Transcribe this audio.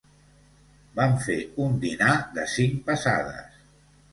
Vam fer un dinar de cinc passades.